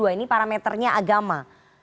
ini parameternya agama